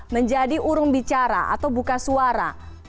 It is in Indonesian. menjadi urung bicara atau buka suara